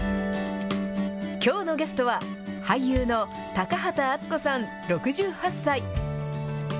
きょうのゲストは、俳優の高畑淳子さん６８歳。